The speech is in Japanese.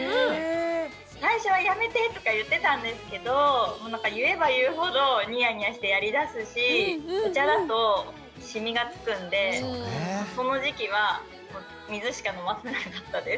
最初は「やめて」とか言ってたんですけど言えば言うほどにやにやしてやりだすしお茶だとシミがつくんでその時期は水しか飲ませなかったです。